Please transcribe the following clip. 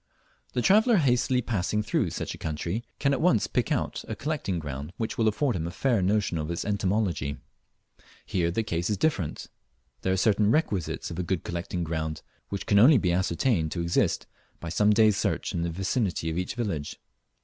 The traveller hastily passing through such a country can at once pick out a collecting ground which will afford him a fair notion of its entomology. Here the case is different. There are certain requisites of a good collecting ground which can only be ascertained to exist by some days' search in the vicinity of each village.